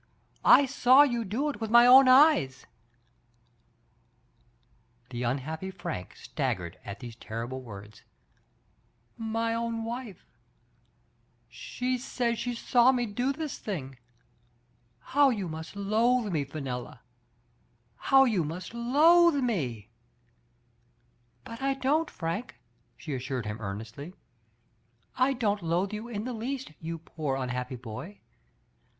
I saw you do it with my own eyes !*' The unhappy Frank staggered at these terrible words. "My own wife! She says she §aw me Digitized by Google 314 THE FA TE OF FE^ELLA, do this thing! How you must loathe me, Fe nella ! How you must loathe me !" "But I doitt^ Frank/* she assured him earnestly. "I don't loathe you in the least, you poor un happy boy!